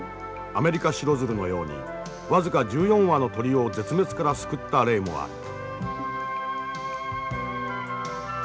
アメリカシロヅルのように僅か１４羽の鳥を絶滅から救った例もある。